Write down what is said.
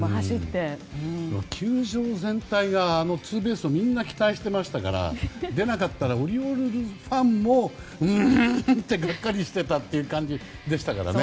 球場全体がツーベースをみんな期待していましたから出なかったらオリオールズファンもうーんってがっかりしてたって感じでしたもんね。